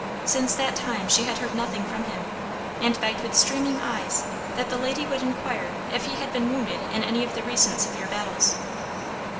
Since that time she had heard nothing from him, and begged with streaming eyes that the lady would inquire if he had been wounded in any of the recent severe battles.